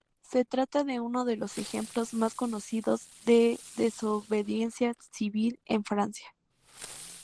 Se trata de uno de los ejemplos más conocidos de desobediencia civil en Francia.